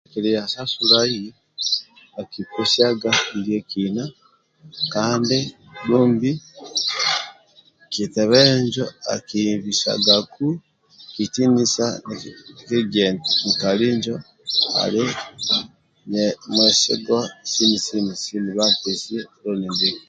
Kilia sasulai bhakpesiaga ndie kina kandi kitebe injo akimbisagaku kitinisa nibhakigia etinjali injo ali mwesigwa bhampesie loni ndiekina